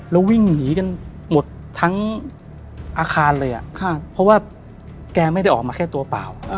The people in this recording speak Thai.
แล้ววิ่งหนีกันหมดทั้งอาคารเลยเพราะว่าแกไม่ได้ออกมาแค่ตัวเปล่า